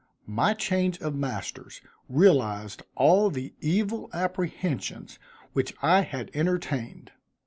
My change of masters realized all the evil apprehensions which I had entertained.